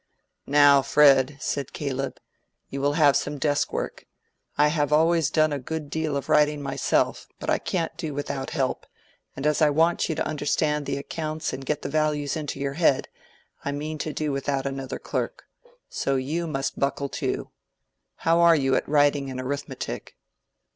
"Now Fred," said Caleb, "you will have some desk work. I have always done a good deal of writing myself, but I can't do without help, and as I want you to understand the accounts and get the values into your head, I mean to do without another clerk. So you must buckle to. How are you at writing and arithmetic?"